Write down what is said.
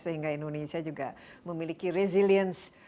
sehingga indonesia juga memiliki resilience